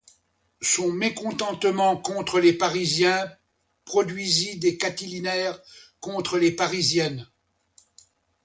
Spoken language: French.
Son mécontentement contre les parisiens produisit des catilinaires contre les parisiennes.